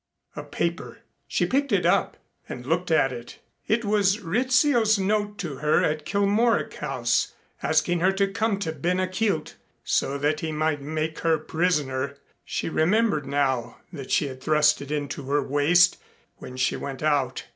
A paper. She picked it up and looked at it. It was Rizzio's note to her at Kilmorack House asking her to come to Ben a Chielt so that he might make her prisoner! She remembered now that she had thrust it into her waist when she went out.